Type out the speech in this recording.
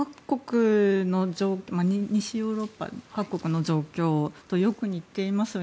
西ヨーロッパ各国の状況とよく似ていますよね。